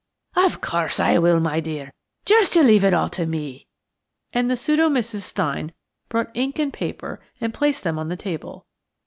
"Of course I will, my dear. Just you leave it all to me." And the pseudo Mrs. Stein brought ink and paper and placed them on the table.